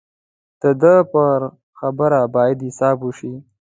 د ده پر خبره باید حساب وشي.